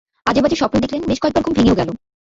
আজেবাজে স্বপ্ন দেখলেন, বেশ কয়েক বার ঘুম ভেঙেও গেল।